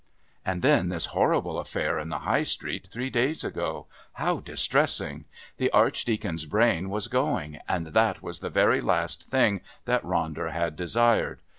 And then this horrible affair in the High Street three days ago, how distressing! The Archdeacon's brain was going, and that was the very last thing that Ronder had desired.